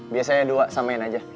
biasanya dua samain aja